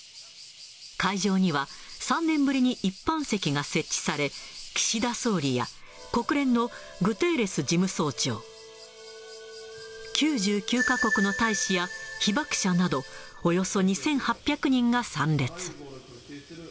会場には、３年ぶりに一般席が設置され、岸田総理や国連のグテーレス事務総長、９９か国の大使や被爆者など、およそ２８００人が参列。